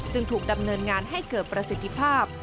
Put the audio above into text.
ถูกดำเนินงานให้เกิดประสิทธิภาพ